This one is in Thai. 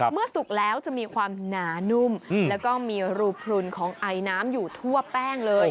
สุกแล้วจะมีความหนานุ่มแล้วก็มีรูพลุนของไอน้ำอยู่ทั่วแป้งเลย